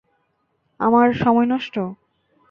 আমার সময় নষ্ট?